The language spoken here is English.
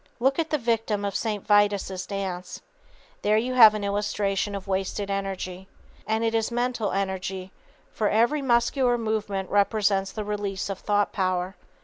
Look at the victim of St. Vitus' dance. There you have an illustration of wasted energy. And it is mental energy, for every muscular movement represents the release of thought power.